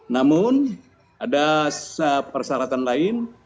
namun ada persyaratan lain